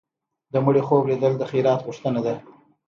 د مړي خوب لیدل د خیرات غوښتنه ده.